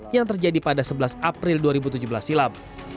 yang terjadi pada sebelas april dua ribu tujuh belas silam